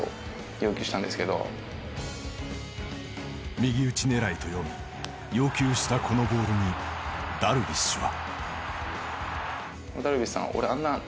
右打ち狙いと読み要求したこのボールにダルビッシュは。